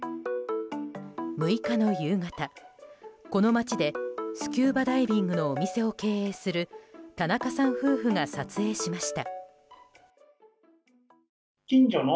６日の夕方、この町でスキューバダイビングのお店を経営する田中さん夫婦が撮影しました。